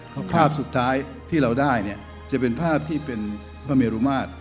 เพราะภาพสุดท้ายที่เราได้เนี่ยจะเป็นภาพที่เป็นพระเมรุมาตร